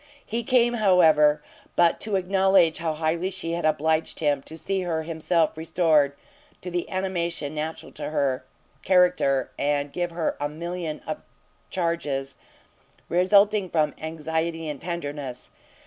He came, however, but to acknowledge how highly she had obliged him, to see her himself restored to the animation natural to her, character, and to give her a million of charges, resulting from anxiety and tenderness.